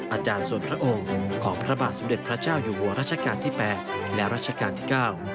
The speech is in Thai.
อาจารย์ส่วนพระองค์ของพระบาทสมเด็จพระเจ้าอยู่หัวรัชกาลที่๘และรัชกาลที่๙